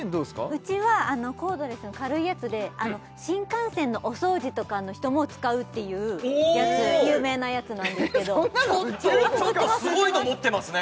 うちはコードレスの軽いやつで新幹線のお掃除とかの人も使うっていうやつ有名なやつなんですけどちょっとすごいの持ってますね